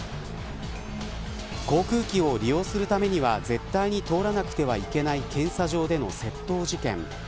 航空機を利用するためには絶対に通らなくてはいけない検査場での窃盗事件